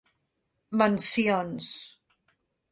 Mencions